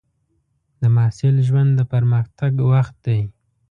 د محصل ژوند د پرمختګ وخت دی.